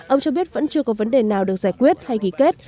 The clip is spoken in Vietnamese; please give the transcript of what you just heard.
ông cho biết vẫn chưa có vấn đề nào được giải quyết hay ký kết